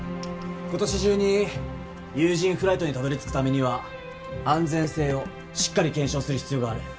今年中に有人フライトにたどりつくためには安全性をしっかり検証する必要がある。